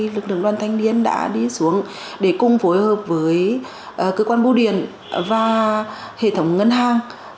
lực lượng đoàn thanh niên đã đi xuống để cùng phối hợp với cơ quan bưu điền và hệ thống ngân hàng